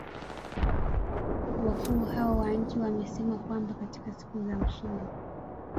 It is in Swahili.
Wakuu hao wa nchi wamesema kwamba katika siku za usoni.